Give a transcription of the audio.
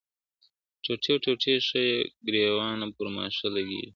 ټوټې ټوتې ښه یې ګرېوانه پر ما ښه لګیږي ..